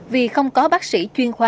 vì không có bác sĩ chuyên khoa